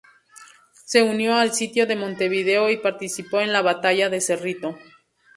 Se unió al sitio de Montevideo y participó en la Batalla de Cerrito.